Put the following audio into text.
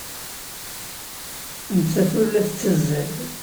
Nettat ur la tettazzal.